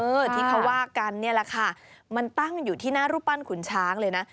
เออที่เขาวากันมันตั้งอยู่ที่หน้ารูปปั้นขุนช้างเลยนะ